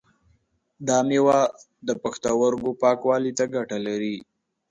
دا مېوه د پښتورګو پاکوالی ته ګټه لري.